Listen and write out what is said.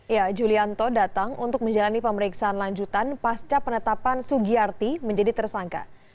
ya julianto datang untuk menjalani pemeriksaan lanjutan pasca penetapan sugiyarti menjadi tersangka